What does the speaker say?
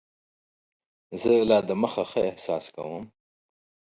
زه لا دمخه ښه احساس کوم.